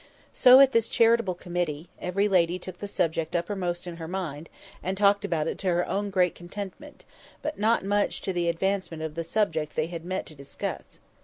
So, at this charitable committee, every lady took the subject uppermost in her mind, and talked about it to her own great contentment, but not much to the advancement of the subject they had met to discuss.